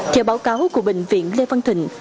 theo báo cáo của bệnh viện lê văn thịnh